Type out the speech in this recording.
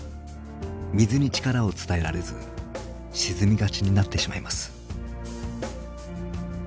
水に力を伝えられず沈みがちになってしまいます。